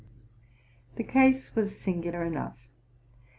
The case was singular enough.